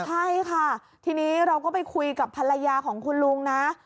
ใช่ค่ะทีนี้เราก็ไปคุยกับภรรยาของคุณลุงนะ